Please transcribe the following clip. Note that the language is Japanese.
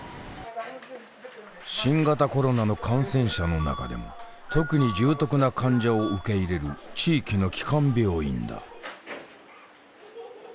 新型コロナの感染者の中でも特に重篤な患者を受け入れる地域の基幹病院だ。